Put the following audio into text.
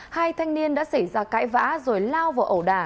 hai thanh niên đã xảy ra cãi vã rồi lao vào ẩu đà